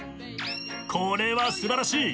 これは素晴らしい。